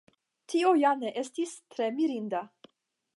Tio ja ne estis tre mirinda.